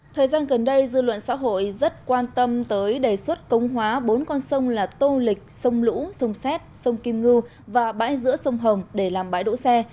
thời gian gần đây dư luận xã hội rất quan tâm tới đề xuất công hóa bốn con sông là tô lịch sông lũ sông xét sông kim ngư và bãi giữa sông hồng để làm bãi đỗ xe